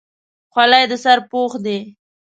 خولۍ د سر پوښ دی.